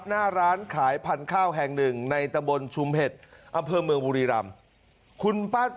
หน้าร้านขายพันธุ์ข้าวแห่งหนึ่งในตะบนชุมเห็ดอำเภอเมืองบุรีรำคุณป้า